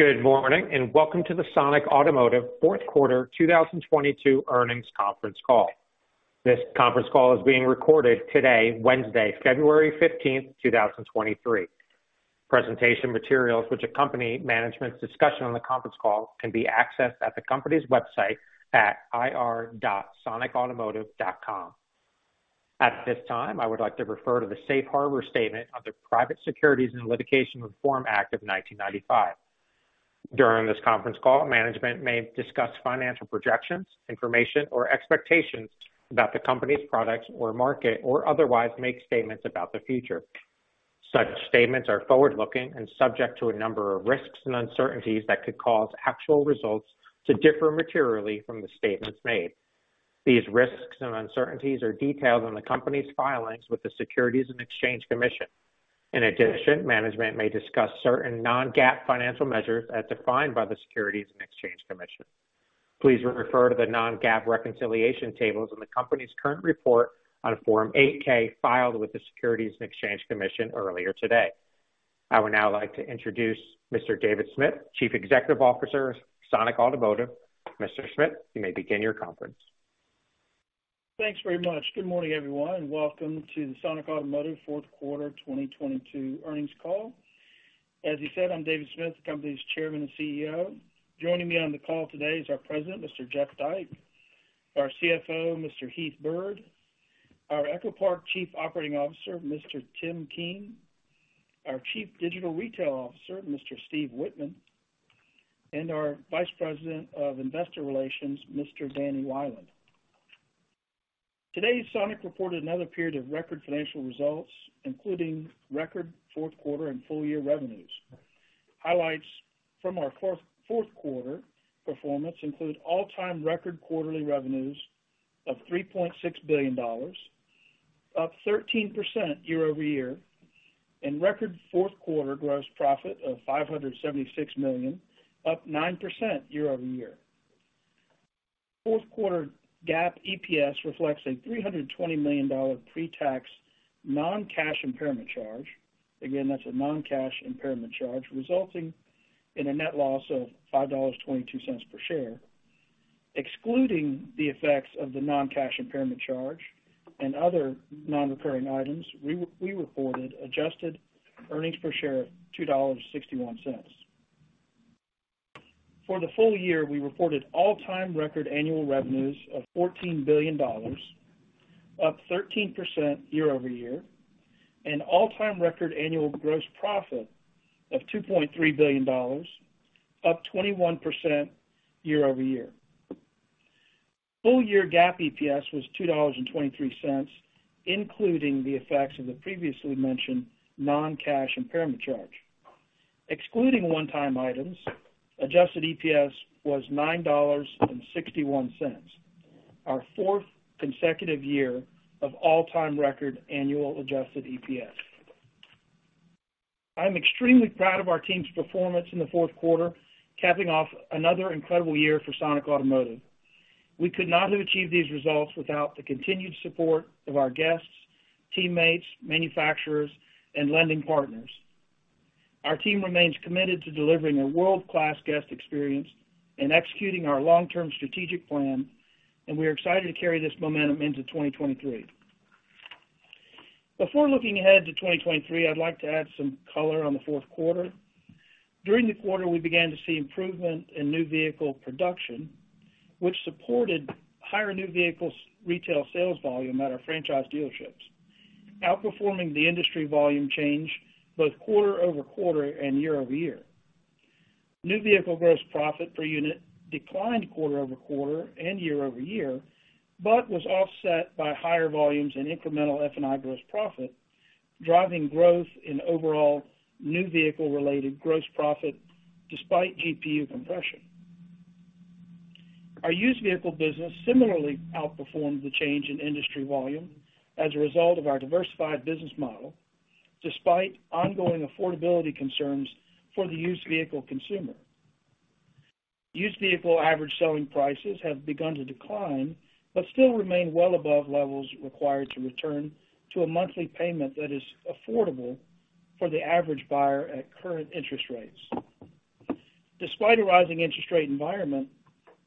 Good morning, welcome to the Sonic Automotive fourth quarter 2022 earnings conference call. This conference call is being recorded today, Wednesday, February 15th, 2023. Presentation materials which accompany management's discussion on the conference call can be accessed at the company's website at ir.sonicautomotive.com. At this time, I would like to refer to the Safe Harbor statement of the Private Securities Litigation Reform Act of 1995. During this conference call, management may discuss financial projections, information, or expectations about the company's products or market, or otherwise make statements about the future. Such statements are forward-looking and subject to a number of risks and uncertainties that could cause actual results to differ materially from the statements made. These risks and uncertainties are detailed in the company's filings with the Securities and Exchange Commission. Management may discuss certain non-GAAP financial measures as defined by the Securities and Exchange Commission. Please refer to the non-GAAP reconciliation tables in the company's current report on Form 8-K filed with the Securities and Exchange Commission earlier today. I would now like to introduce Mr. David Smith, Chief Executive Officer of Sonic Automotive. Mr. Smith, you may begin your conference. Thanks very much. Good morning, everyone, and welcome to the Sonic Automotive fourth quarter 2022 earnings call. As he said, I'm David Smith, the company's Chairman and CEO. Joining me on the call today is our President, Mr. Jeff Dyke, our CFO, Mr. Heath Byrd, our EchoPark Chief Operating Officer, Mr. Tim Keen, our Chief Digital Retail Officer, Mr. Steve Whitman, and our Vice President of Investor Relations, Mr. Danny Weiland. Today, Sonic reported another period of record financial results, including record fourth quarter and full-year revenues. Highlights from our fourth-quarter performance include all-time record quarterly revenues of $3.6 billion, up 13% year-over-year, and record fourth quarter gross profit of $576 million, up 9% year-over-year. Fourth quarter GAAP EPS reflects a $320 million pre-tax non-cash impairment charge. Again, that's a non-cash impairment charge resulting in a net loss of $5.22 per share. Excluding the effects of the non-cash impairment charge and other non-recurring items, we reported adjusted earnings per share of $2.61. For the full year, we reported all-time record annual revenues of $14 billion, up 13% year-over-year, and all-time record annual gross profit of $2.3 billion, up 21% year-over-year. Full year GAAP EPS was $2.23, including the effects of the previously mentioned non-cash impairment charge. Excluding one-time items, adjusted EPS was $9.61, our fourth consecutive year of all-time record annual adjusted EPS. I'm extremely proud of our team's performance in the fourth quarter, capping off another incredible year for Sonic Automotive. We could not have achieved these results without the continued support of our guests, teammates, manufacturers, and lending partners. Our team remains committed to delivering a world-class guest experience and executing our long-term strategic plan. We are excited to carry this momentum into 2023. Before looking ahead to 2023, I'd like to add some color on the fourth quarter. During the quarter, we began to see improvement in new vehicle production, which supported higher new vehicles retail sales volume at our franchise dealerships, outperforming the industry volume change both quarter-over-quarter and year-over-year. New vehicle gross profit per unit declined quarter-over-quarter and year-over-year, but was offset by higher volumes in incremental F&I gross profit, driving growth in overall new vehicle-related gross profit despite GPU compression. Our used vehicle business similarly outperformed the change in industry volume as a result of our diversified business model, despite ongoing affordability concerns for the used vehicle consumer. Used vehicle average selling prices have begun to decline but still remain well above levels required to return to a monthly payment that is affordable for the average buyer at current interest rates. Despite a rising interest rate environment,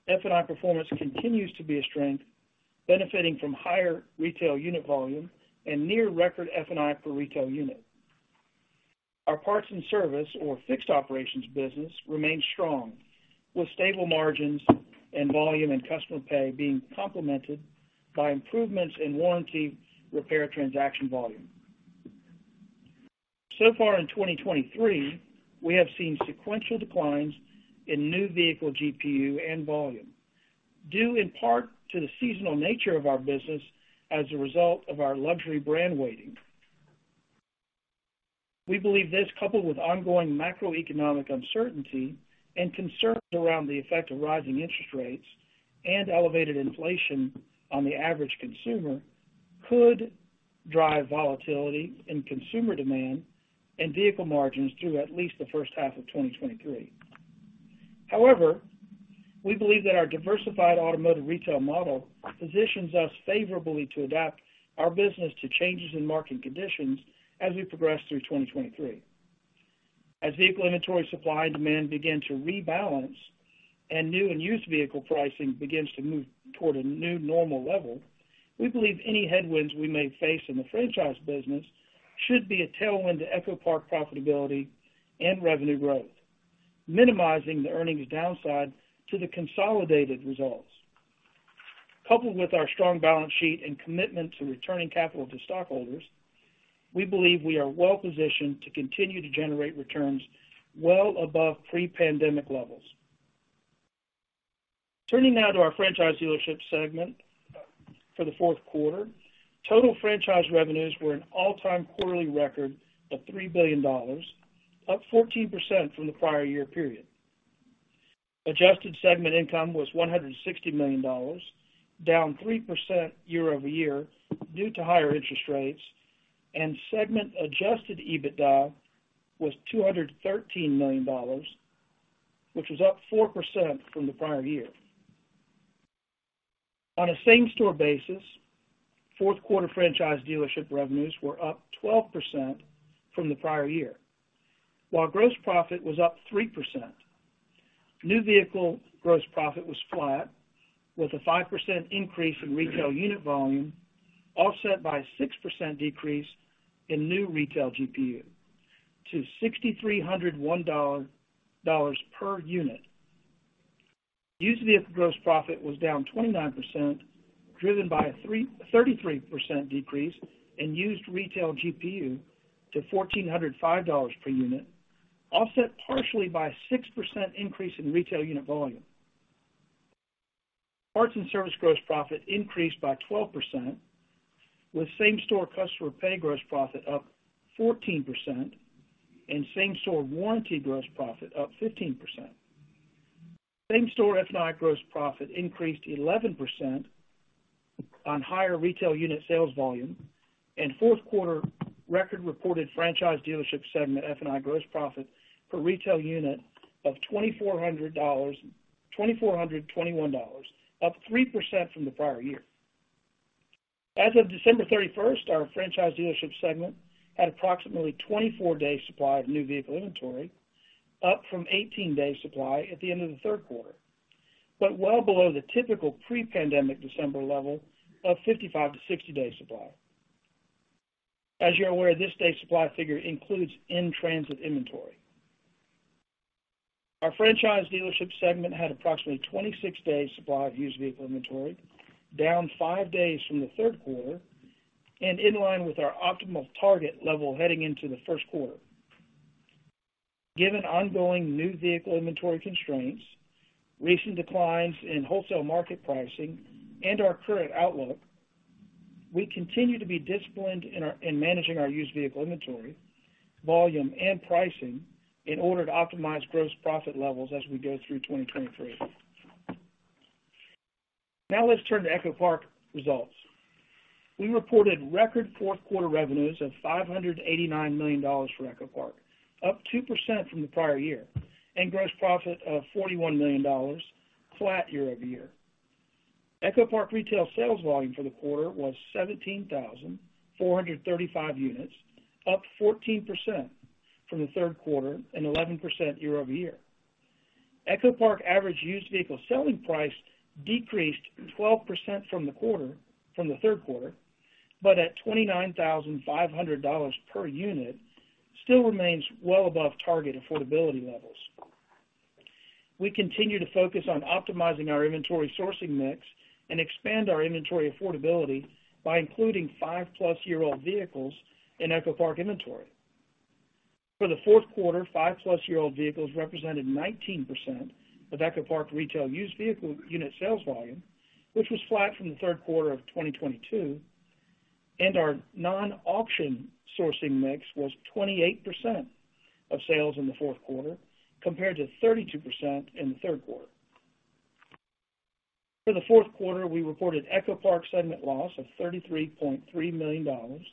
F&I performance continues to be a strength, benefiting from higher retail unit volume and near record F&I per retail unit. Our parts and service or fixed operations business remains strong, with stable margins and volume and customer pay being complemented by improvements in warranty repair transaction volume. So far in 2023, we have seen sequential declines in new vehicle GPU and volume, due in part to the seasonal nature of our business as a result of our luxury brand weighting. We believe this, coupled with ongoing macroeconomic uncertainty and concerns around the effect of rising interest rates and elevated inflation on the average consumer, could drive volatility in consumer demand and vehicle margins through at least the first half of 2023. We believe that our diversified automotive retail model positions us favorably to adapt our business to changes in market conditions as we progress through 2023. As vehicle inventory supply and demand begin to rebalance, and new and used vehicle pricing begins to move toward a new normal level, we believe any headwinds we may face in the franchise business should be a tailwind to EchoPark profitability and revenue growth, minimizing the earnings downside to the consolidated results. Coupled with our strong balance sheet and commitment to returning capital to stockholders, we believe we are well-positioned to continue to generate returns well above pre-pandemic levels. Turning now to our franchise dealership segment for the fourth quarter. Total franchise revenues were an all-time quarterly record of $3 billion, up 14% from the prior year period. Adjusted segment income was $160 million, down 3% year-over-year due to higher interest rates, and segment adjusted EBITDA was $213 million, which was up 4% from the prior year. On a same-store basis, fourth quarter franchise dealership revenues were up 12% from the prior year. While gross profit was up 3%, new vehicle gross profit was flat, with a 5% increase in retail unit volume offset by 6% decrease in new retail GPU to $6,301 per unit. Used vehicle gross profit was down 29% driven by a 33% decrease in used retail GPU to $1,405 per unit, offset partially by a 6% increase in retail unit volume. Parts and service gross profit increased by 12%, with same-store customer pay gross profit up 14% and same-store warranty gross profit up 15%. Same-store F&I gross profit increased 11% on higher retail unit sales volume and fourth-quarter record-reported franchise dealership segment F&I gross profit per retail unit of $2,421, up 3% from the prior year. As of December 31st, our franchise dealership segment had approximately 24 days supply of new vehicle inventory, up from 18 days supply at the end of the third quarter, but well below the typical pre-pandemic December level of 55-60 days supply. As you're aware, this days supply figure includes in-transit inventory. Our franchise dealership segment had approximately 26 days supply of used vehicle inventory, down 5 days from the third quarter and in line with our optimal target level heading into the first quarter. Given ongoing new vehicle inventory constraints, recent declines in wholesale market pricing, and our current outlook, we continue to be disciplined in managing our used vehicle inventory, volume, and pricing in order to optimize gross profit levels as we go through 2023. Now let's turn to EchoPark results. We reported record fourth-quarter revenues of $589 million for EchoPark, up 2% from the prior year, and gross profit of $41 million, flat year-over-year. EchoPark retail sales volume for the quarter was 17,435 units, up 14% from the third quarter and 11% year-over-year. EchoPark average used vehicle selling price decreased 12% from the third quarter, but at $29,500 per unit, still remains well above target affordability levels. We continue to focus on optimizing our inventory sourcing mix and expand our inventory affordability by including five-plus-year-old vehicles in EchoPark inventory. For the fourth quarter, five-plus-year-old vehicles represented 19% of EchoPark retail used vehicle unit sales volume, which was flat from the third quarter of 2022, and our non-auction sourcing mix was 28% of sales in the fourth quarter compared to 32% in the third quarter. For the fourth quarter, we reported EchoPark segment loss of $33.3 million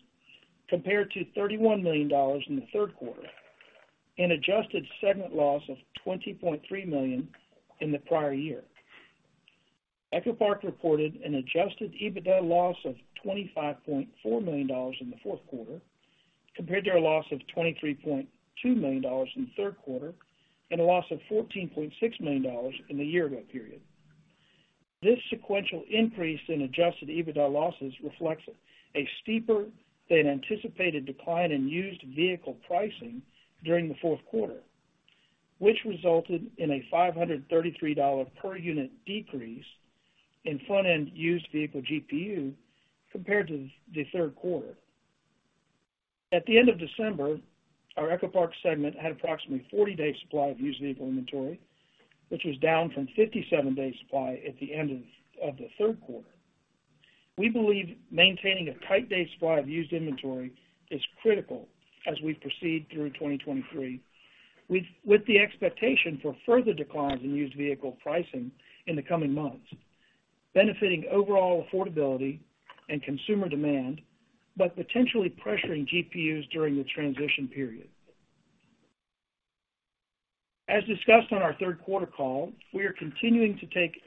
compared to $31 million in the third quarter, and adjusted segment loss of $20.3 million in the prior year. EchoPark reported an adjusted EBITDA loss of $25.4 million in the fourth quarter compared to a loss of $23.2 million in the third quarter and a loss of $14.6 million in the year-ago period. This sequential increase in adjusted EBITDA losses reflects a steeper-than-anticipated decline in used vehicle pricing during the fourth quarter, which resulted in a $533 per unit decrease in front-end used vehicle GPU compared to the third quarter. At the end of December, our EchoPark segment had approximately 40 days supply of used vehicle inventory, which was down from 57 days supply at the end of the third quarter. We believe maintaining a tight days supply of used inventory is critical as we proceed through 2023 with the expectation for further declines in used vehicle pricing in the coming months, benefiting overall affordability and consumer demand, but potentially pressuring GPUs during the transition period. As discussed on our third quarter call, we are continuing to take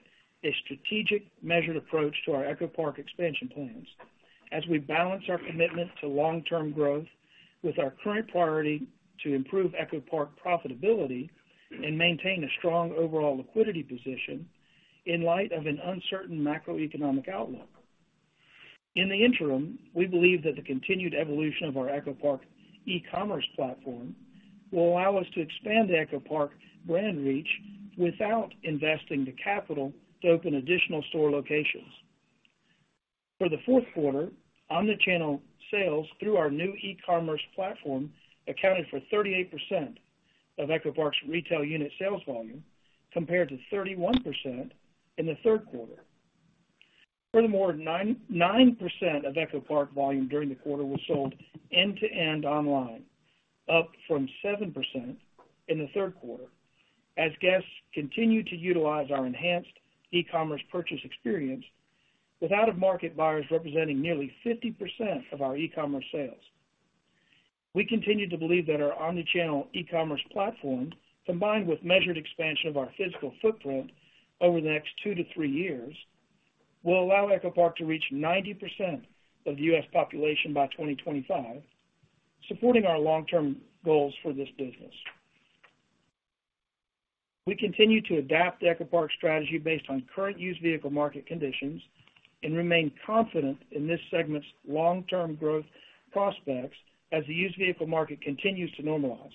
a strategic measured approach to our EchoPark expansion plans as we balance our commitment to long-term growth with our current priority to improve EchoPark profitability and maintain a strong overall liquidity position in light of an uncertain macroeconomic outlook. In the interim, we believe that the continued evolution of our EchoPark e-commerce platform will allow us to expand EchoPark brand reach without investing the capital to open additional store locations. For the fourth quarter, omni-channel sales through our new e-commerce platform accounted for 38% of EchoPark's retail unit sales volume, compared to 31% in the third quarter. Furthermore, 9% of EchoPark volume during the quarter was sold end-to-end online, up from 7% in the third quarter as guests continued to utilize our enhanced e-commerce purchase experience with out-of-market buyers representing nearly 50% of our e-commerce sales. We continue to believe that our omni-channel e-commerce platform, combined with measured expansion of our physical footprint over the next two to three years, will allow EchoPark to reach 90% of the U.S. population by 2025, supporting our long-term goals for this business. We continue to adapt the EchoPark strategy based on current used vehicle market conditions and remain confident in this segment's long-term growth prospects as the used vehicle market continues to normalize.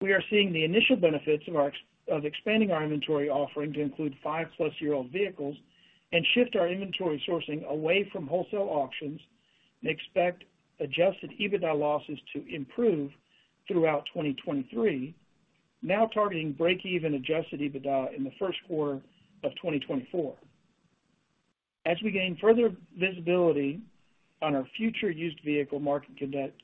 We are seeing the initial benefits of expanding our inventory offering to include 5-plus-year-old vehicles and shift our inventory sourcing away from wholesale auctions and expect adjusted EBITDA losses to improve throughout 2023, now targeting breakeven adjusted EBITDA in the first quarter of 2024. As we gain further visibility on our future used vehicle market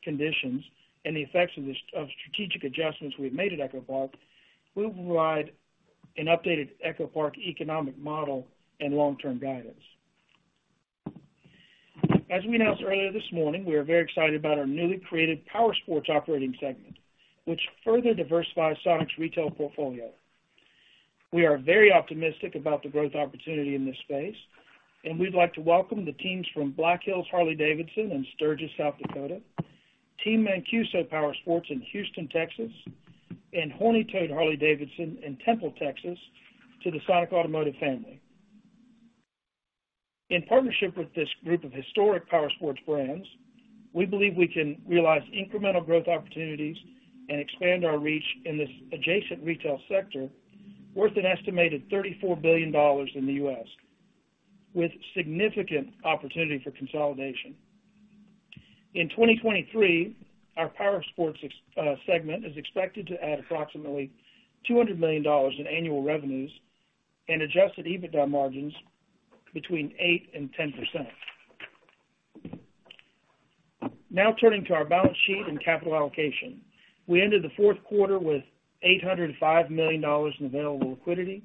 conditions and the effects of strategic adjustments we've made at EchoPark, we will provide an updated EchoPark economic model and long-term guidance. As we announced earlier this morning, we are very excited about our newly created powersports operating segment, which further diversifies Sonic's retail portfolio. We are very optimistic about the growth opportunity in this space, we'd like to welcome the teams from Black Hills Harley-Davidson in Sturgis, South Dakota, Team Mancuso Powersports in Houston, Texas, and Horny Toad Harley-Davidson in Temple, Texas, to the Sonic Automotive family. In partnership with this group of historic powersports brands, we believe we can realize incremental growth opportunities and expand our reach in this adjacent retail sector worth an estimated $34 billion in the US, with significant opportunity for consolidation. In 2023, our powersports segment is expected to add approximately $200 million in annual revenues and adjusted EBITDA margins between 8% and 10%. Turning to our balance sheet and capital allocation. We ended the fourth quarter with $805 million in available liquidity,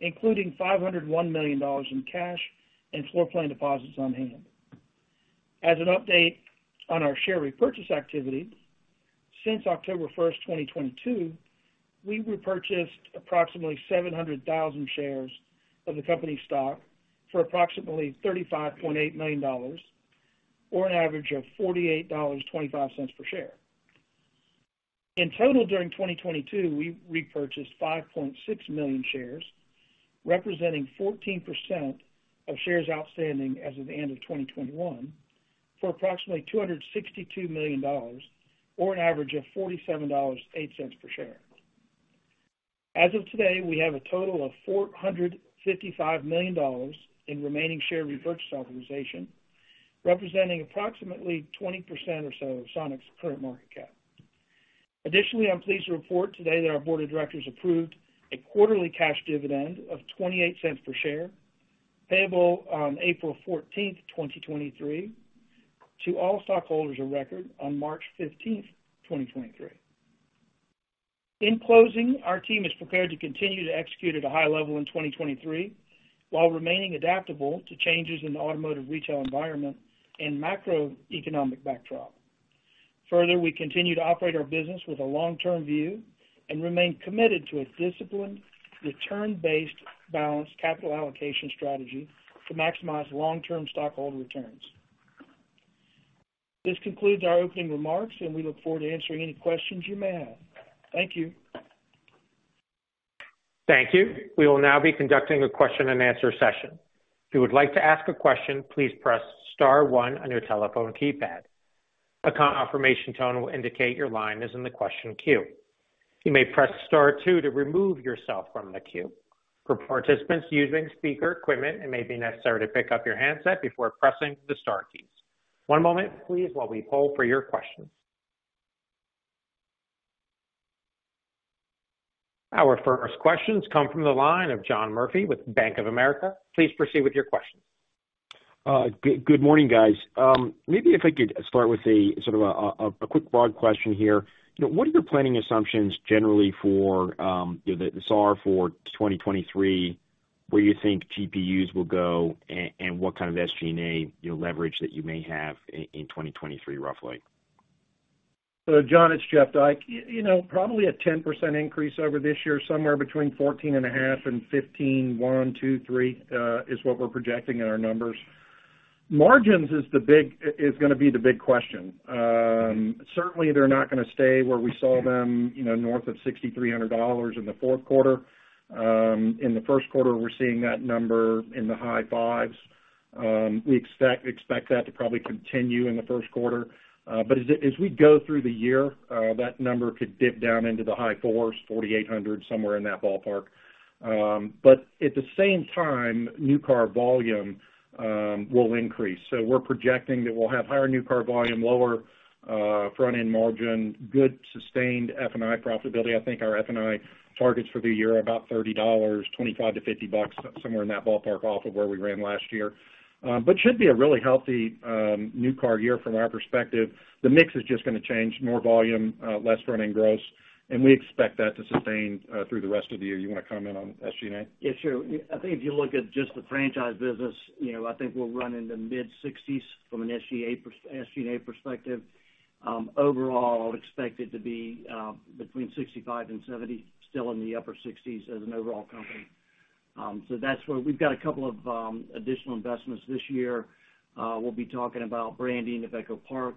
including $501 million in cash and floor plan deposits on hand. As an update on our share repurchase activity, since October 1st, 2022, we repurchased approximately 700,000 shares of the company stock for approximately $35.8 million or an average of $48.25 per share. In total, during 2022, we repurchased 5.6 million shares, representing 14% of shares outstanding as of the end of 2021, for approximately $262 million or an average of $47.08 per share. As of today, we have a total of $455 million in remaining share repurchase authorization, representing approximately 20% or so of Sonic's current market cap. Additionally, I'm pleased to report today that our board of directors approved a quarterly cash dividend of $0.28 per share, payable on April 14, 2023, to all stockholders of record on March 15, 2023. In closing, our team is prepared to continue to execute at a high level in 2023 while remaining adaptable to changes in the automotive retail environment and macroeconomic backdrop. Further, we continue to operate our business with a long-term view and remain committed to a disciplined, return-based balanced capital allocation strategy to maximize long-term stockholder returns. This concludes our opening remarks, and we look forward to answering any questions you may have. Thank you. Thank you. We will now be conducting a question-and-answer session. If you would like to ask a question, please press star one on your telephone keypad. A confirmation tone will indicate your line is in the question queue. You may press star two to remove yourself from the queue. For participants using speaker equipment, it may be necessary to pick up your handset before pressing the star keys. One moment, please, while we poll for your questions. Our first questions come from the line of John Murphy with Bank of America. Please proceed with your question. Good morning, guys. Maybe if I could start with a sort of a quick broad question here. You know, what are your planning assumptions generally for, you know, the SAR for 2023? Where you think GPUs will go and what kind of SG&A, you know, leverage that you may have in 2023 roughly? John, it's Jeff Dyke. You know, probably a 10% increase over this year, somewhere between 14,500 and 15,123, is what we're projecting in our numbers. Margins is gonna be the big question. Certainly, they're not gonna stay where we saw them, you know, north of $6,300 in the fourth quarter. In the first quarter, we're seeing that number in the high fives. We expect that to probably continue in the first quarter. As we go through the year, that number could dip down into the high fours, $4,800, somewhere in that ballpark. At the same time, new car volume will increase. We're projecting that we'll have higher new car volume, lower front-end margin, good sustained F&I profitability. I think our F&I targets for the year are about $30, $25-$50, somewhere in that ballpark off of where we ran last year. Should be a really healthy, new car year from our perspective. The mix is just gonna change, more volume, less front-end gross, and we expect that to sustain, through the rest of the year. You wanna comment on SG&A? Sure. I think if you look at just the franchise business, you know, I think we'll run into mid-60s from an SG&A perspective. Overall, I would expect it to be between 65% and 70%, still in the upper 60s as an overall company. That's where we've got a couple of additional investments this year. We'll be talking about branding of EchoPark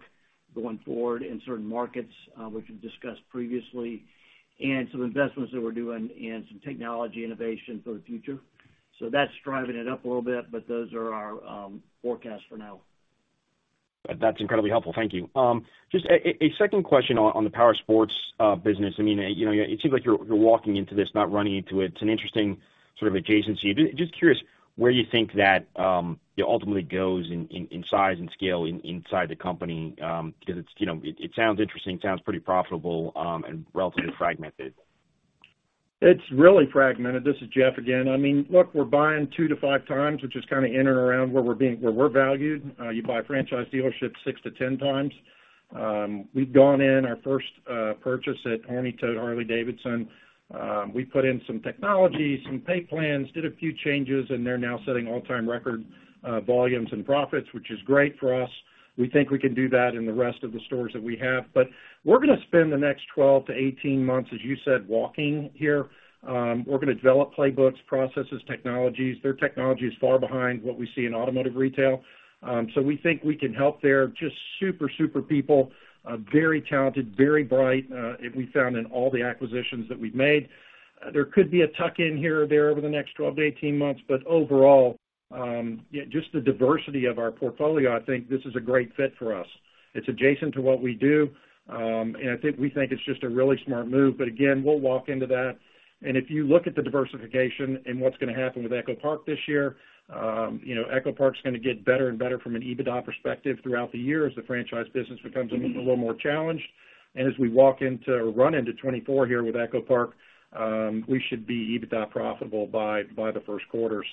going forward in certain markets, which we've discussed previously, and some investments that we're doing in some technology innovation for the future. That's driving it up a little bit, but those are our forecasts for now. That's incredibly helpful. Thank you. Just a second question on the Powersports business. I mean, you know, it seems like you're walking into this, not running into it. It's an interesting sort of adjacency. Just curious where you think that it ultimately goes in size and scale inside the company, because it's, you know, it sounds interesting, sounds pretty profitable, and relatively fragmented. It's really fragmented. This is Jeff again. I mean, look, we're buying 2 to 5 times, which is kinda in and around where we're being, where we're valued. You buy franchise dealerships 6 to 10 times. We've gone in our first purchase at Horny Toad Harley-Davidson. We put in some technology, some pay plans, did a few changes, and they're now setting all-time record volumes and profits, which is great for us. We think we can do that in the rest of the stores that we have. We're gonna spend the next 12 to 18 months, as you said, walking here. We're gonna develop playbooks, processes, technologies. Their technology is far behind what we see in automotive retail, so we think we can help there. Just super people, very talented, very bright, we found in all the acquisitions that we've made. There could be a tuck-in here or there over the next 12-18 months, but overall, yeah, just the diversity of our portfolio, I think this is a great fit for us. It's adjacent to what we do, and I think we think it's just a really smart move. Again, we'll walk into that. If you look at the diversification and what's gonna happen with EchoPark this year, you know, EchoPark's gonna get better and better from an EBITDA perspective throughout the year as the franchise business becomes a little more challenged. As we walk into or run into 2024 here with EchoPark, we should be EBITDA profitable by the first quarter.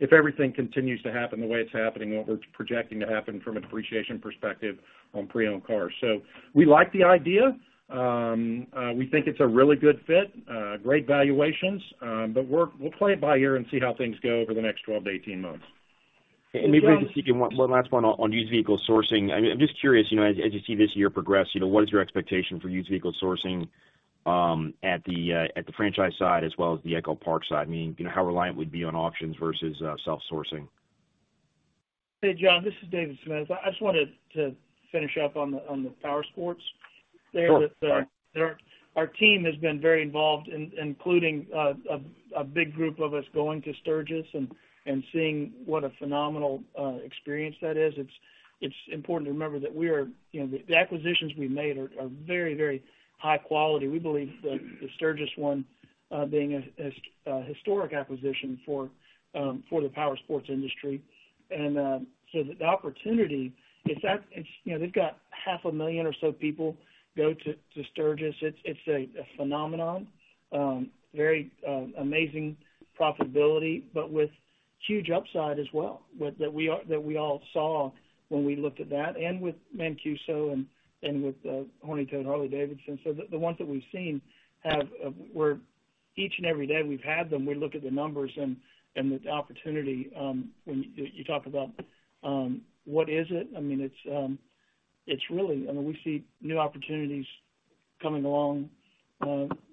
If everything continues to happen the way it's happening, what we're projecting to happen from an appreciation perspective on pre-owned cars. We like the idea. We think it's a really good fit, great valuations, but we'll play it by ear and see how things go over the next 12 to 18 months. Maybe just one last one on used vehicle sourcing. I mean, I'm just curious, you know, as you see this year progress, you know, what is your expectation for used vehicle sourcing at the franchise side as well as the EchoPark side? I mean, you know, how reliant we'd be on auctions versus self-sourcing. Hey, John, this is David Smith. I just wanted to finish up on the Powersports there. Sure. Our team has been very involved in including a big group of us going to Sturgis and seeing what a phenomenal experience that is. It's important to remember that we are, you know, the acquisitions we made are very, very high quality. We believe that the Sturgis one being a historic acquisition for the Powersports industry. The opportunity is that it's, you know, they've got half a million or so people go to Sturgis. It's a phenomenon, very amazing profitability, with huge upside as well that we all saw when we looked at that and with Mancuso and with Horny Toad Harley-Davidson. The ones that we've seen have, each and every day we've had them, we look at the numbers and the opportunity, when you talk about, what is it? I mean, it's really, I mean, we see new opportunities coming along,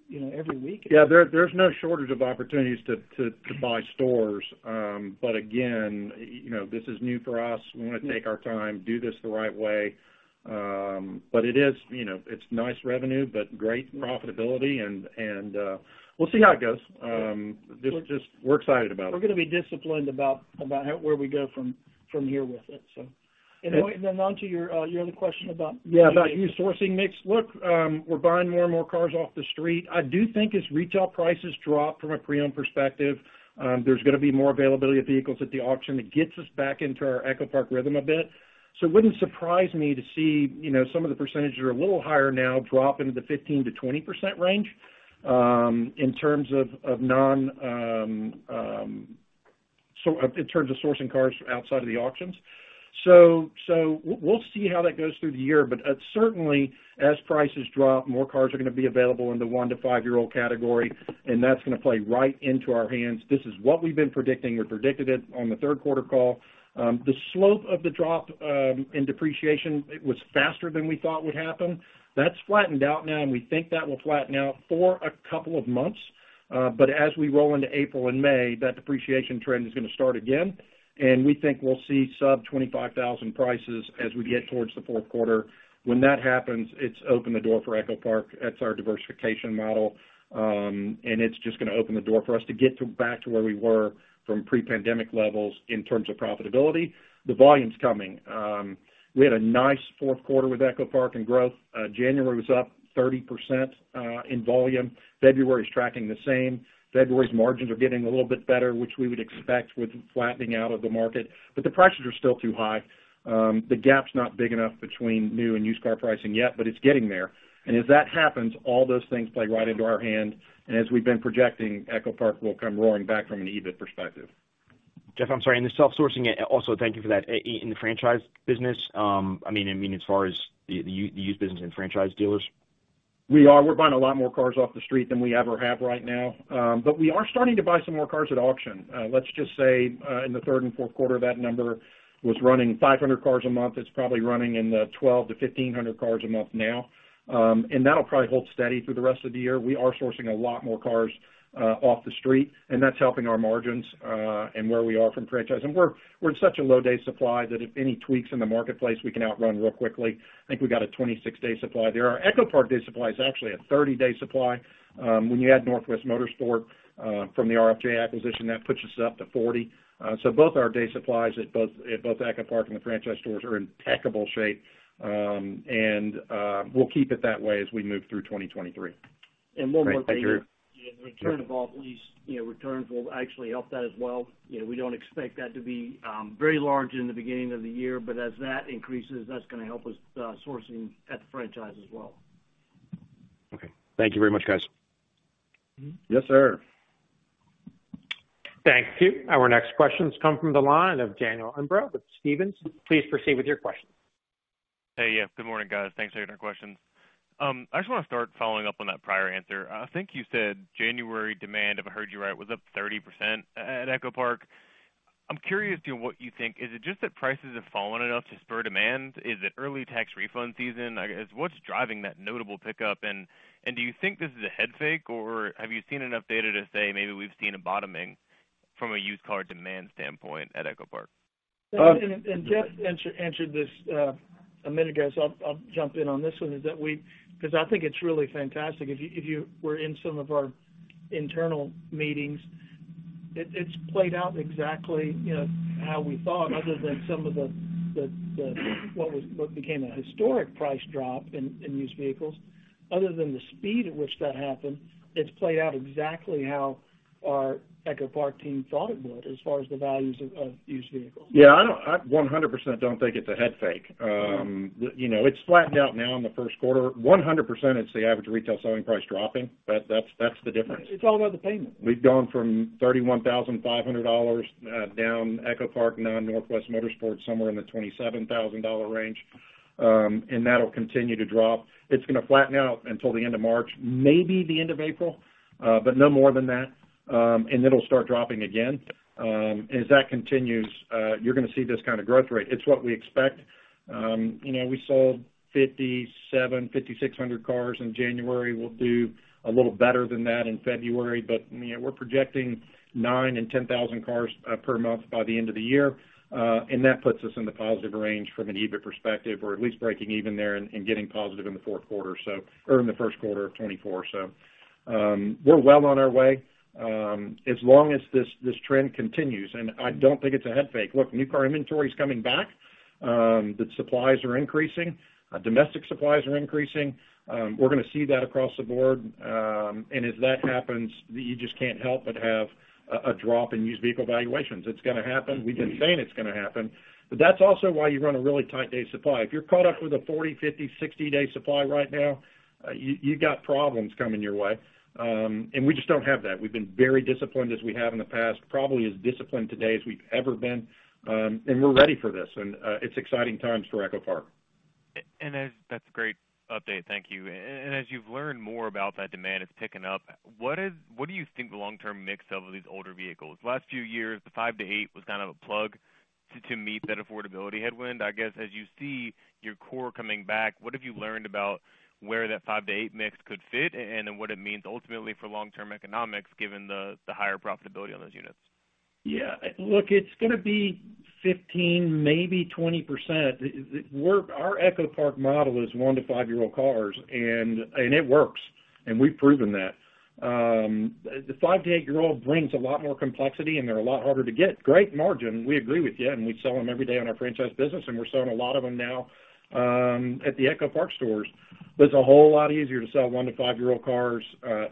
you know, every week. Yeah. There's no shortage of opportunities to buy stores. Again, you know, this is new for us. We wanna take our time, do this the right way. It is, you know, it's nice revenue, but great profitability and, we'll see how it goes. Just we're excited about it. We're gonna be disciplined about where we go from here with it. Onto your your other question. Yeah, about used sourcing mix. Look, we're buying more and more cars off the street. I do think as retail prices drop from a pre-owned perspective, there's gonna be more availability of vehicles at the auction that gets us back into our EchoPark rhythm a bit. It wouldn't surprise me to see, you know, some of the percentages are a little higher now drop into the 15%-20% range, in terms of non, in terms of sourcing cars outside of the auctions. We'll see how that goes through the year. Certainly as prices drop, more cars are gonna be available in the 1-5-year-old category, and that's gonna play right into our hands. This is what we've been predicting. We predicted it on the third quarter call. The slope of the drop in depreciation, it was faster than we thought would happen. That's flattened out now, and we think that will flatten out for a couple of months. As we roll into April and May, that depreciation trend is gonna start again. We think we'll see sub $25,000 prices as we get towards the fourth quarter. When that happens, it's opened the door for EchoPark. That's our diversification model. It's just gonna open the door for us to get to back to where we were from pre-pandemic levels in terms of profitability. The volume's coming. We had a nice fourth quarter with EchoPark in growth. January was up 30% in volume. February is tracking the same. February's margins are getting a little bit better, which we would expect with flattening out of the market. The prices are still too high. The gap's not big enough between new and used car pricing yet, but it's getting there. As that happens, all those things play right into our hand. As we've been projecting, EchoPark will come roaring back from an EBIT perspective. Jeff, I'm sorry. In the self-sourcing, also, thank you for that. In the franchise business, I mean, as far as the used business and franchise dealers. We are. We're buying a lot more cars off the street than we ever have right now. We are starting to buy some more cars at auction. Let's just say, in the third and fourth quarter, that number was running 500 cars a month. It's probably running in the 1,200-1,500 cars a month now. That'll probably hold steady through the rest of the year. We are sourcing a lot more cars off the street, and that's helping our margins, and where we are from franchise. We're in such a low day supply that if any tweaks in the marketplace, we can outrun real quickly. I think we got a 26-day supply there. Our EchoPark day supply is actually a 30-day supply. When you add Northwest Motorsport from the RFJ acquisition, that puts us up to 40. Both our day supplies at both EchoPark and the franchise stores are in tackable shape. We'll keep it that way as we move through 2023. Great. Thank you. one more thing. Sure. The return of off lease, you know, returns will actually help that as well. You know, we don't expect that to be very large in the beginning of the year, but as that increases, that's gonna help us sourcing at the franchise as well. Okay. Thank you very much, guys. Yes, sir. Thank you. Our next question comes from the line of Daniel Imbro with Stephens. Please proceed with your question. Hey. Yeah. Good morning, guys. Thanks for taking our questions. I just wanna start following up on that prior answer. I think you said January demand, if I heard you right, was up 30% at EchoPark. I'm curious to what you think. Is it just that prices have fallen enough to spur demand? Is it early tax refund season? I guess, what's driving that notable pickup? Do you think this is a head fake, or have you seen enough data to say maybe we've seen a bottoming from a used car demand standpoint at EchoPark? Uh- Jeff answered this a minute ago, so I'll jump in on this one, is that we. I think it's really fantastic. If you were in some of our internal meetings, it's played out exactly, you know, how we thought other than some of the what became a historic price drop in used vehicles. Other than the speed at which that happened, it's played out exactly how our EchoPark team thought it would, as far as the values of used vehicles. Yeah. I 100% don't think it's a head fake. you know, it's flattened out now in the first quarter. 100%, it's the average retail selling price dropping. That's the difference. It's all about the payment. We've gone from $31,500 down EchoPark, now Northwest Motorsport, somewhere in the $27,000 range. That'll continue to drop. It's gonna flatten out until the end of March, maybe the end of April, no more than that. It'll start dropping again. As that continues, you're gonna see this kind of growth rate. It's what we expect. You know, we sold 5,700, 5,600 cars in January. We'll do a little better than that in February. You know, we're projecting 9,000-10,000 cars per month by the end of the year. That puts us in the positive range from an EBIT perspective, or at least breaking even there and getting positive in the fourth quarter. In the first quarter of 2024. We're well on our way, as long as this trend continues, I don't think it's a head fake. Look, new car inventory is coming back. The supplies are increasing. Domestic supplies are increasing. We're gonna see that across the board. As that happens, you just can't help but have a drop in used vehicle valuations. It's gonna happen. We've been saying it's gonna happen. That's also why you run a really tight day supply. If you're caught up with a 40, 50, 60-day supply right now, you got problems coming your way. We just don't have that. We've been very disciplined as we have in the past, probably as disciplined today as we've ever been. We're ready for this. It's exciting times for EchoPark. That's a great update. Thank you. As you've learned more about that demand, it's picking up, what do you think the long-term mix of these older vehicles? Last few years, the five to eight was kind of a plug to meet that affordability headwind. I guess, as you see your core coming back, what have you learned about where that five to eight mix could fit and what it means ultimately for long-term economics, given the higher profitability on those units? Yeah. Look, it's gonna be 15%, maybe 20%. Our EchoPark model is 1 to 5-year-old cars, and it works. We've proven that. The 5 to 8-year-old brings a lot more complexity, and they're a lot harder to get. Great margin, we agree with you, and we sell them every day on our franchise business, and we're selling a lot of them now, at the EchoPark stores. It's a whole lot easier to sell 1 to 5-year-old cars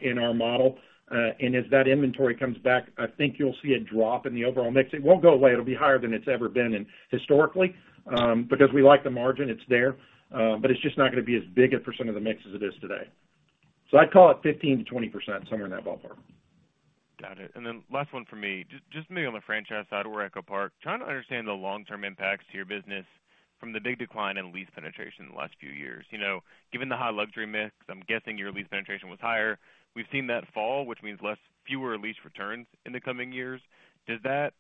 in our model. As that inventory comes back, I think you'll see a drop in the overall mix. It won't go away. It'll be higher than it's ever been in historically, because we like the margin, it's there. it's just not gonna be as big a % of the mix as it is today. I'd call it 15%-20%, somewhere in that ballpark. Got it. Then last one for me. Just maybe on the franchise side or EchoPark, trying to understand the long-term impacts to your business from the big decline in lease penetration in the last few years. You know, given the high luxury mix, I'm guessing your lease penetration was higher. We've seen that fall, which means fewer lease returns in the coming years. Does that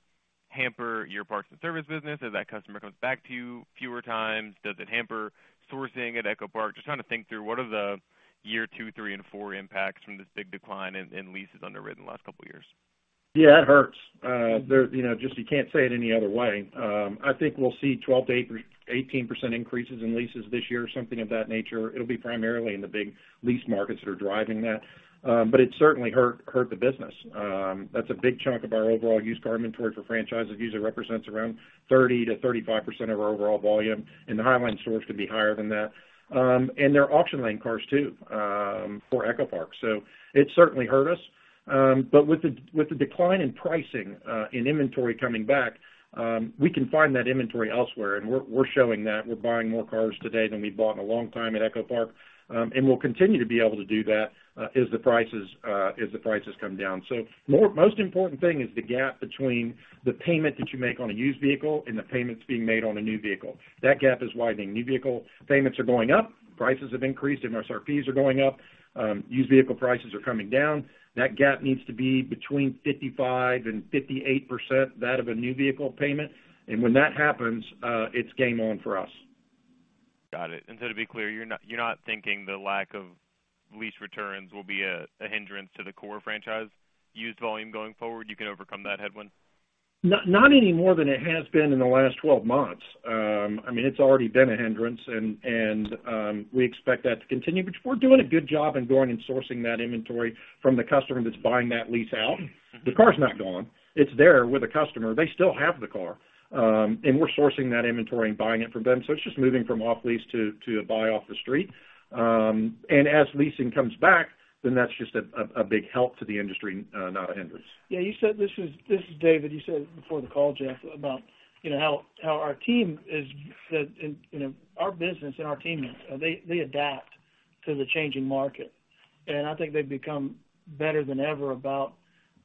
hamper your parts and service business as that customer comes back to you fewer times? Does it hamper sourcing at EchoPark? Just trying to think through what are the year 2, 3, and 4 impacts from this big decline in leases underwritten the last 2 years. Yeah, it hurts. there, you know, just you can't say it any other way. I think we'll see 12%-18% increases in leases this year or something of that nature. It'll be primarily in the big lease markets that are driving that. It certainly hurt the business. That's a big chunk of our overall used car inventory for franchise. It usually represents around 30%-35% of our overall volume, in the Highline stores could be higher than that. And they're auction lane cars too for EchoPark. It certainly hurt us. With the decline in pricing, in inventory coming back, we can find that inventory elsewhere, and we're showing that. We're buying more cars today than we've bought in a long time at EchoPark. We'll continue to be able to do that as the prices come down. Most important thing is the gap between the payment that you make on a used vehicle and the payments being made on a new vehicle. That gap is widening. New vehicle payments are going up, prices have increased, and our SRPs are going up. Used vehicle prices are coming down. That gap needs to be between 55% and 58% that of a new vehicle payment. When that happens, it's game on for us. Got it. To be clear, you're not thinking the lack of lease returns will be a hindrance to the core franchise use volume going forward? You can overcome that headwind? Not any more than it has been in the last 12 months. I mean, it's already been a hindrance and we expect that to continue. We're doing a good job in going and sourcing that inventory from the customer that's buying that lease out. The car's not gone. It's there with a customer. They still have the car, and we're sourcing that inventory and buying it from them. It's just moving from off lease to a buy off the street. As leasing comes back, that's just a big help to the industry, not a hindrance. Yeah, you said. This is David. You said before the call, Jeff, about, you know, how our team is that, you know, our business and our team, they adapt to the changing market. I think they've become better than ever about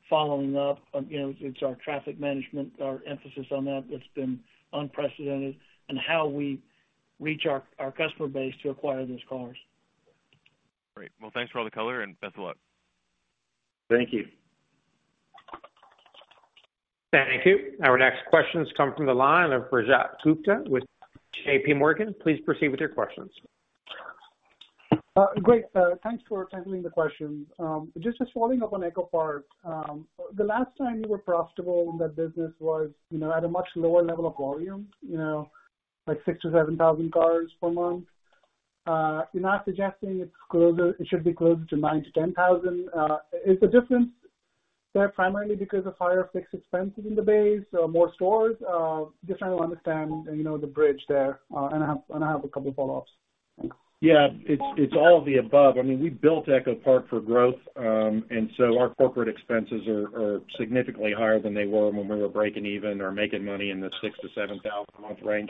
following up. You know, it's our traffic management, our emphasis on that that's been unprecedented, and how we reach our customer base to acquire those cars. Great. Well, thanks for all the color, and best of luck. Thank you. Thank you. Our next question comes from the line of Rajat Gupta with JPMorgan. Please proceed with your questions. Great. Thanks for taking the question. Just following up on EchoPark. The last time you were profitable in that business was, you know, at a much lower level of volume, you know, like 6,000-7,000 cars per month. You're not suggesting it should be closer to 9,000-10,000. Is the difference there primarily because of higher fixed expenses in the base or more stores? Just trying to understand, you know, the bridge there. I have a couple follow-ups. Thanks. Yeah. It's all of the above. I mean, we built EchoPark for growth, our corporate expenses are significantly higher than they were when we were breaking even or making money in the $6,000-$7,000 a month range.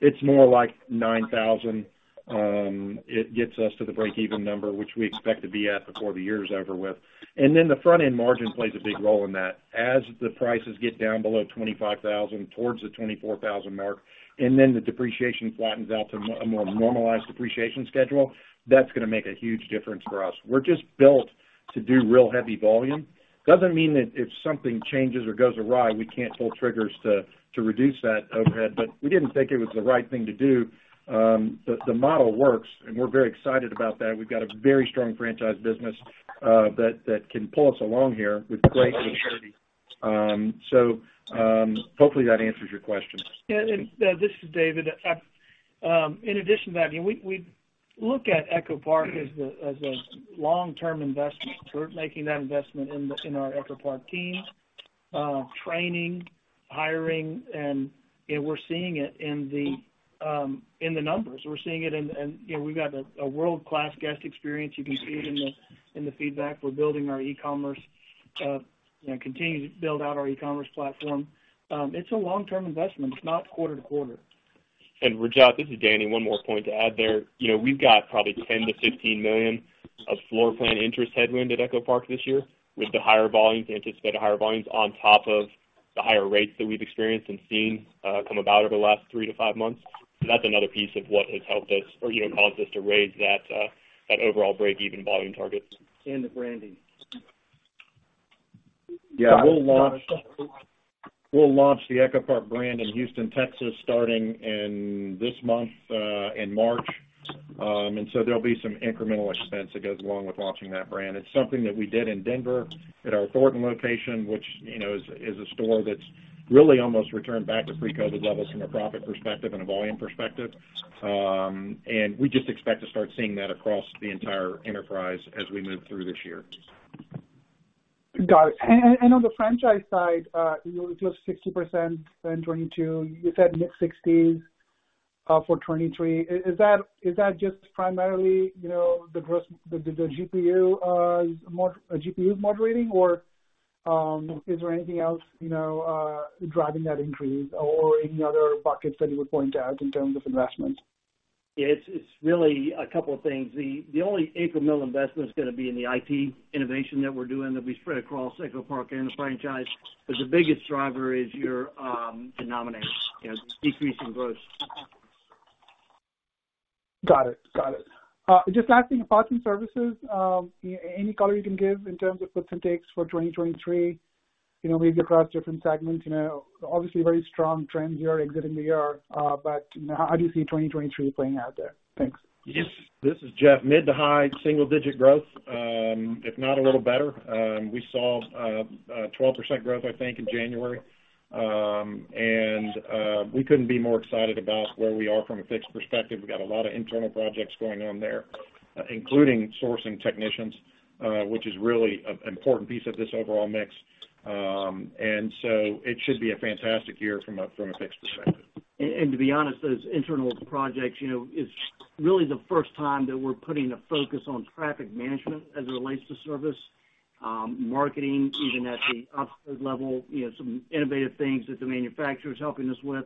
It's more like $9,000, it gets us to the break-even number, which we expect to be at before the year is over with. The front-end margin plays a big role in that. As the prices get down below $25,000 towards the $24,000 mark, the depreciation flattens out to a more normalized depreciation schedule, that's gonna make a huge difference for us. We're just built to do real heavy volume. Doesn't mean that if something changes or goes awry, we can't pull triggers to reduce that overhead. We didn't think it was the right thing to do. The model works. We're very excited about that. We've got a very strong franchise business that can pull us along here with great security. Hopefully, that answers your question. This is David. In addition to that, I mean, we look at EchoPark as a long-term investment. We're making that investment in our EchoPark team, training, hiring, and, you know, we're seeing it in the numbers. We're seeing it in, you know, we've got a world-class guest experience. You can see it in the feedback. We're building our e-commerce, you know, continuing to build out our e-commerce platform. It's a long-term investment. It's not quarter to quarter. Rajat, this is Danny. One more point to add there. You know, we've got probably $10 million-$15 million of floor plan interest headwind at EchoPark this year with the higher volumes, anticipated higher volumes on top of the higher rates that we've experienced and seen come about over the last 3-5 months. That's another piece of what has helped us or, you know, caused us to raise that overall break-even volume target. The branding. Yeah. We'll launch the EchoPark brand in Houston, Texas, starting in this month, in March. There'll be some incremental expense that goes along with launching that brand. It's something that we did in Denver at our Thornton location, which, you know, is a store that's really almost returned back to pre-COVID levels from a profit perspective and a volume perspective. We just expect to start seeing that across the entire enterprise as we move through this year. Got it. On the franchise side, you were just 60% in 2022. You said mid-60s for 2023. Is that just primarily, you know, the GPU moderating or is there anything else, you know, driving that increase or any other buckets that you would point out in terms of investment? It's really a couple of things. The only incremental investment is gonna be in the IT innovation that we're doing, that'll be spread across EchoPark and the franchise. The biggest driver is your denominators, you know, decrease in gross. Got it. Got it. Just asking parts and services, any color you can give in terms of puts and takes for 2023. You know, we've across different segments, you know, obviously very strong trends you are exiting the year. How do you see 2023 playing out there? Thanks. Yes. This is Jeff. Mid to high single digit growth, if not a little better. We saw a 12% growth, I think, in January. We couldn't be more excited about where we are from a fixed perspective. We've got a lot of internal projects going on there, including sourcing technicians, which is really an important piece of this overall mix. It should be a fantastic year from a fixed perspective. To be honest, those internal projects, you know, is really the first time that we're putting a focus on traffic management as it relates to service, marketing, even at the upsale level, you know, some innovative things that the manufacturer is helping us with.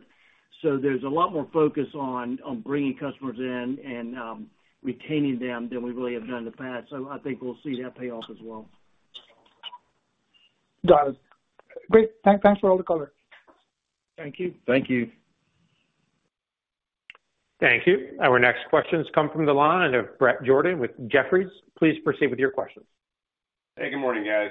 There's a lot more focus on bringing customers in and, retaining them than we really have done in the past. I think we'll see that pay off as well. Got it. Great. Thanks for all the color. Thank you. Thank you. Thank you. Our next question comes from the line of Bret Jordan with Jefferies. Please proceed with your questions. Hey, good morning, guys.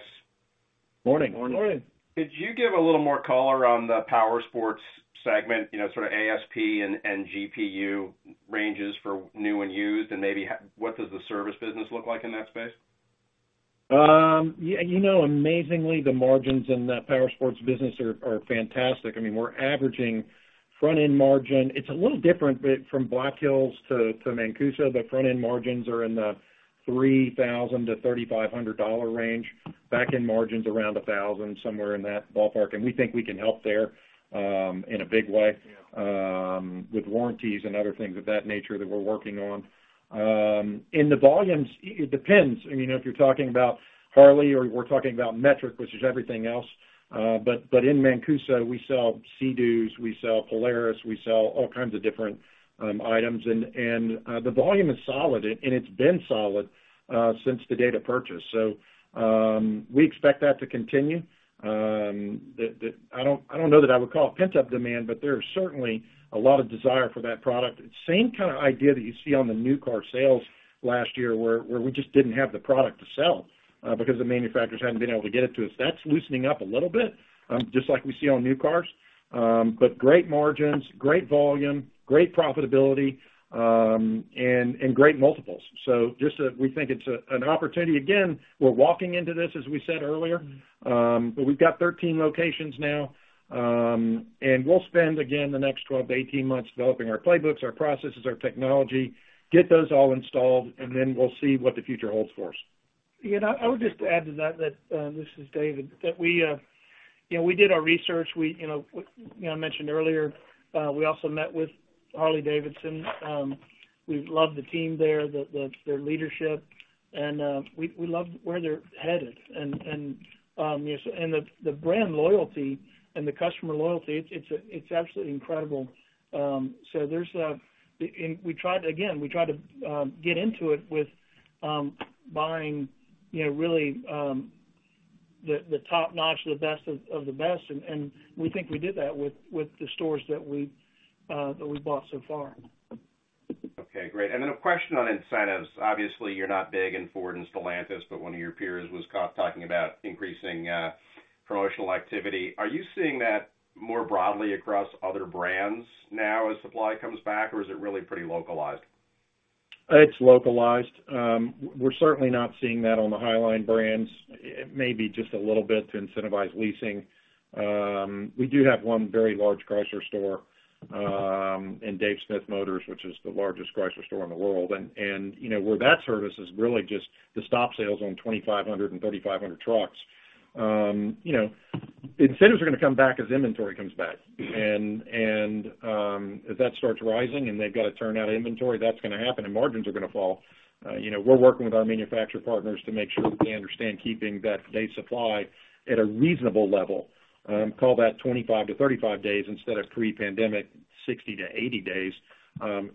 Morning. Morning. Morning. Could you give a little more color on the powersports segment, you know, sort of ASP and GPU ranges for new and used, and maybe what does the service business look like in that space? Yeah, you know, amazingly, the margins in the powersports business are fantastic. I mean, we're averaging front-end margin. It's a little different from Black Hills to Mancuso, but front-end margins are in the $3,000-$3,500 range, back-end margins around $1,000, somewhere in that ballpark. We think we can help there in a big way with warranties and other things of that nature that we're working on. In the volumes, it depends. I mean, if you're talking about Harley or we're talking about Metric, which is everything else. But in Mancuso, we sell Sea-Doos, we sell Polaris, we sell all kinds of different items. The volume is solid, and it's been solid since the date of purchase. We expect that to continue. I don't know that I would call it pent-up demand, but there is certainly a lot of desire for that product. Same kind of idea that you see on the new car sales last year, where we just didn't have the product to sell because the manufacturers hadn't been able to get it to us. That's loosening up a little bit, just like we see on new cars. Great margins, great volume, great profitability, and great multiples. We think it's an opportunity. Again, we're walking into this, as we said earlier, we've got 13 locations now. We'll spend, again, the next 12 to 18 months developing our playbooks, our processes, our technology, get those all installed, and then we'll see what the future holds for us. Yeah, I would just add to that this is David, that we did our research. We, what I mentioned earlier, we also met with Harley-Davidson. We love the team there, their leadership, we love where they're headed. The brand loyalty and the customer loyalty, it's absolutely incredible. We tried, again, we tried to get into it with buying really the top-notch, the best of the best, and we think we did that with the stores that we that we bought so far. Okay, great. A question on incentives. Obviously, you're not big in Ford and Stellantis, but one of your peers was caught talking about increasing promotional activity. Are you seeing that more broadly across other brands now as supply comes back, or is it really pretty localized? It's localized. We're certainly not seeing that on the Highline brands. It may be just a little bit to incentivize leasing. We do have one very large Chrysler store in Dave Smith Motors, which is the largest Chrysler store in the world. You know, where that service is really just to stop sales on 2,500 and 3,500 trucks. You know, incentives are gonna come back as inventory comes back. As that starts rising and they've got to turn out inventory, that's gonna happen and margins are gonna fall. You know, we're working with our manufacturer partners to make sure that they understand keeping that day supply at a reasonable level, call that 25-35 days instead of pre-pandemic 60-80 days,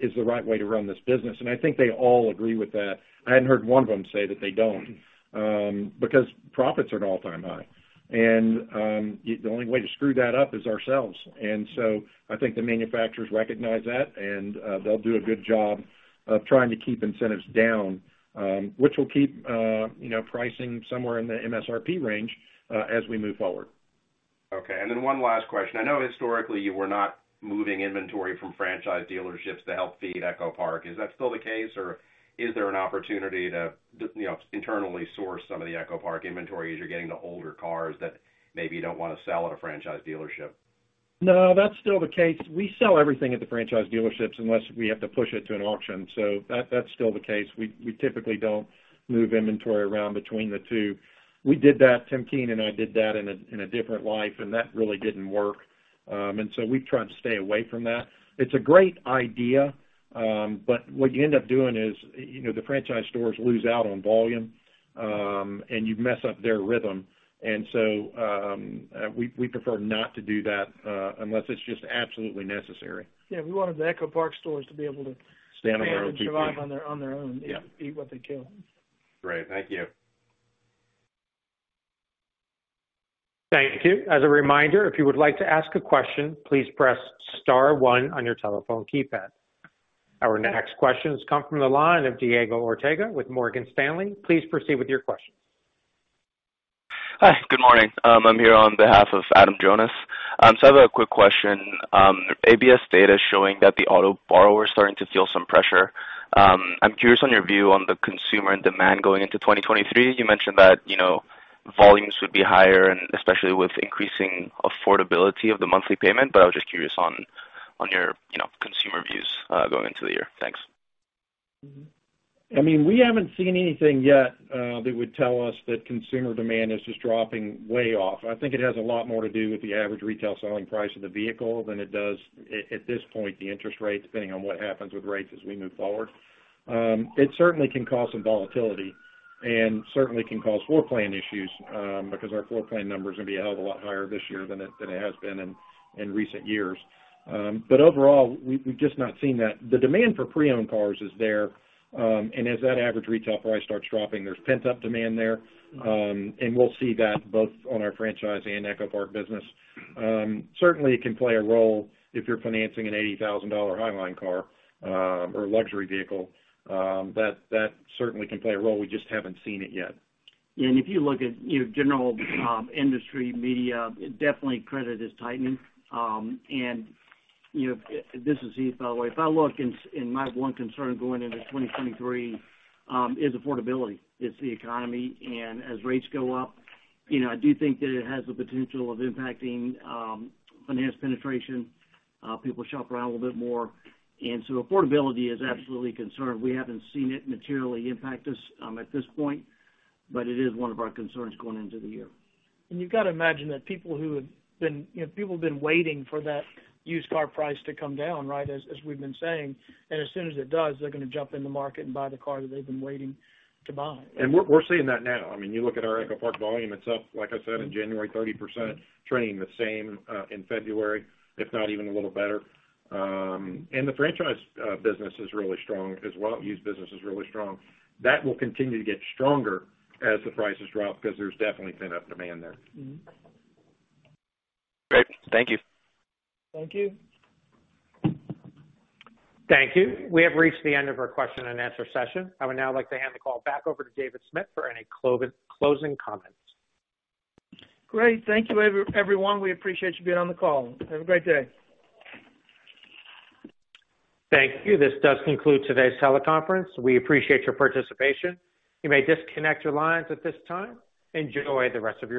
is the right way to run this business. I think they all agree with that. I hadn't heard one of them say that they don't, because profits are at all-time high. The only way to screw that up is ourselves. I think the manufacturers recognize that, they'll do a good job of trying to keep incentives down, which will keep, you know, pricing somewhere in the MSRP range as we move forward. Okay. One last question. I know historically you were not moving inventory from franchise dealerships to help feed EchoPark. Is that still the case, or is there an opportunity to, you know, internally source some of the EchoPark inventory as you're getting the older cars that maybe you don't wanna sell at a franchise dealership? No, that's still the case. We sell everything at the franchise dealerships unless we have to push it to an auction. That's still the case. We typically don't move inventory around between the two. We did that, Tim Keen and I did that in a different life, and that really didn't work. We've tried to stay away from that. It's a great idea, but what you end up doing is, you know, the franchise stores lose out on volume, and you mess up their rhythm. We prefer not to do that unless it's just absolutely necessary. Yeah, we wanted the EchoPark stores. Stand on their own two feet. ...survive on their own. Yeah. Eat what they kill. Great. Thank you. Thank you. As a reminder, if you would like to ask a question, please press star one on your telephone keypad. Our next question has come from the line of Diego Ortega with Morgan Stanley. Please proceed with your question. Hi. Good morning. I'm here on behalf of Adam Jonas. I have a quick question. ABS data is showing that the auto borrowers are starting to feel some pressure. I'm curious on your view on the consumer and demand going into 2023. You mentioned that, you know, volumes would be higher and especially with increasing affordability of the monthly payment. I was just curious on your, you know, consumer views going into the year. Thanks. I mean, we haven't seen anything yet, that would tell us that consumer demand is just dropping way off. I think it has a lot more to do with the average retail selling price of the vehicle than it does at this point, the interest rate, depending on what happens with rates as we move forward. It certainly can cause some volatility and certainly can cause floor plan issues, because our floor plan numbers are gonna be a hell of a lot higher this year than it has been in recent years. Overall, we've just not seen that. The demand for pre-owned cars is there. As that average retail price starts dropping, there's pent-up demand there. We'll see that both on our franchise and EchoPark business. Certainly it can play a role if you're financing an $80,000 highline car, or a luxury vehicle, that certainly can play a role. We just haven't seen it yet. If you look at your general industry media, definitely credit is tightening. You know, this is Heath, by the way. If I look, and my one concern going into 2023, is affordability. It's the economy. As rates go up, you know, I do think that it has the potential of impacting finance penetration. People shop around a little bit more, so affordability is absolutely a concern. We haven't seen it materially impact us, at this point, but it is one of our concerns going into the year. You've got to imagine that you know, people have been waiting for that used car price to come down, right, as we've been saying, and as soon as it does, they're gonna jump in the market and buy the car that they've been waiting to buy. We're seeing that now. I mean, you look at our EchoPark volume, it's up, like I said, in January, 30%, trending the same in February, if not even a little better. The franchise business is really strong as well. Used business is really strong. That will continue to get stronger as the prices drop because there's definitely pent-up demand there. Great. Thank you. Thank you. Thank you. We have reached the end of our question-and-answer session. I would now like to hand the call back over to David Smith for any closing comments. Great. Thank you everyone. We appreciate you being on the call. Have a great day. Thank you. This does conclude today's teleconference. We appreciate your participation. You may disconnect your lines at this time. Enjoy the rest of your week.